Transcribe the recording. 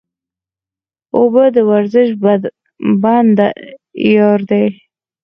اوبه د ورزش بنده یار دی